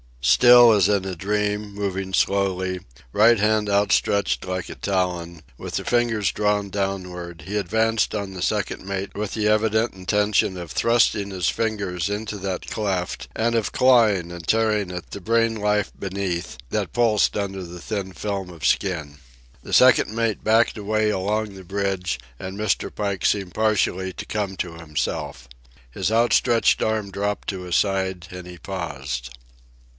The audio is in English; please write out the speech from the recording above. Still as in a dream, moving slowly, right hand outstretched like a talon, with the fingers drawn downward, he advanced on the second mate with the evident intention of thrusting his fingers into that cleft and of clawing and tearing at the brain life beneath that pulsed under the thin film of skin. The second mate backed away along the bridge, and Mr. Pike seemed partially to come to himself. His outstretched arm dropped to his side, and he paused.